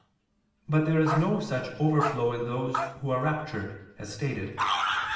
But there is no such overflow in those who are raptured, as stated (A.